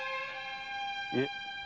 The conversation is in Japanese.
いえ。